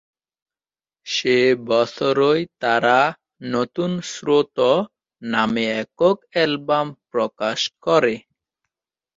সে বছরই তারা "নতুন স্রোত" নামে একক অ্যালবাম প্রকাশ করে।